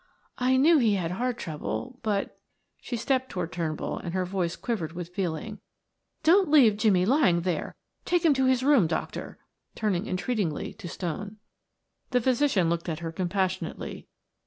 "I knew he had heart trouble, but " She stepped toward Turnbull and her voice quivered with feeling. "Don't leave Jimmie lying there; take him to his room, doctor," turning entreatingly to Stone. The physician looked at her compassionately.